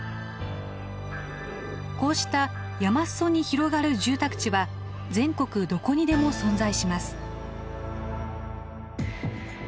こうした山裾に広がる住宅地は全国どこにでも存在します。